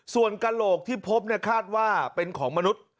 ส่วนกระโหลกที่พบคาดว่าเป็นของมนุษย์